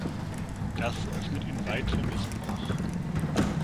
Das öffnet ihn weit für Missbrauch.